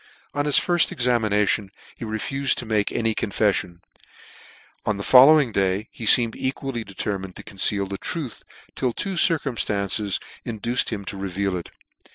On his firfl examination he refufed to make any confeffion : and on the following day, he feemed equally determined to conceal the truth, nil two circumftances induced him to reveal it.